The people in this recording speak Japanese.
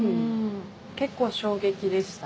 結構衝撃でした